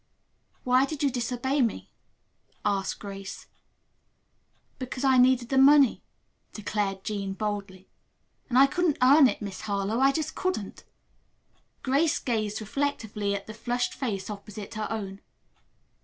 "Why did you disobey me?" asked Grace. "Because I needed the money," declared Jean boldly, "and I couldn't earn it, Miss Harlowe; I just couldn't." Grace gazed reflectively at the flushed face opposite her own.